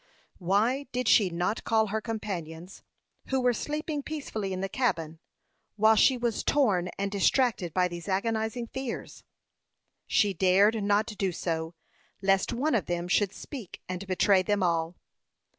Why did she not call her companions, who were sleeping peacefully in the cabin, while she was torn and distracted by these agonizing fears? She dared not do so, lest one of them should speak and betray them all.